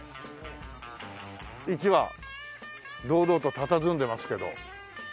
一羽堂々とたたずんでますけど。